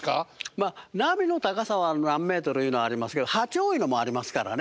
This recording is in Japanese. まあ波の高さは何メートルいうのはありますけど波長いうのもありますからね。